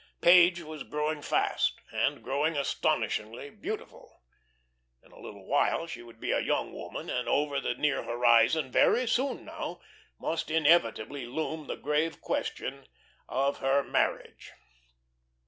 Page was growing fast, and growing astonishingly beautiful; in a little while she would be a young woman, and over the near horizon, very soon now, must inevitably loom the grave question of her marriage.